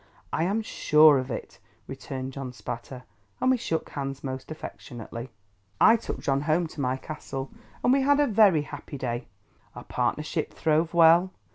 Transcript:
"I am sure of it!" returned John Spatter. And we shook hands most affectionately. I took John home to my Castle, and we had a very happy day. Our partnership throve well.